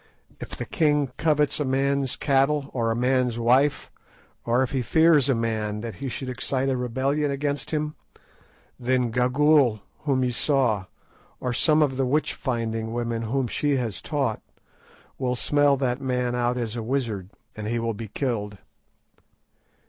If the king covets a man's cattle, or a man's wife, or if he fears a man that he should excite a rebellion against him, then Gagool, whom ye saw, or some of the witch finding women whom she has taught, will smell that man out as a wizard, and he will be killed.